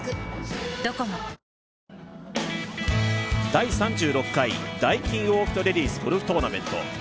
第３６回ダイキンオーキッドレディスゴルフトーナメント。